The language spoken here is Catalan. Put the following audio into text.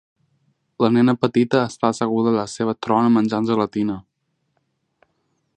La nena petita està asseguda a la seva trona menjant gelatina.